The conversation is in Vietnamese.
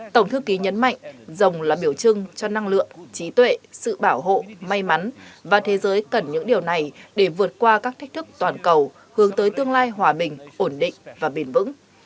tổng thư ký nhấn mạnh dòng là biểu trưng cho năng lượng trí tuệ sự bảo hộ may mắn và thế giới cần những điều này để vượt qua các thách thức toàn cầu hướng tới tương lai hòa bình ổn định và bền vững